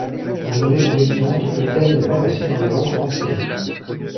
Pour une raison évidente, le terme n'est pas passé dans la langue française.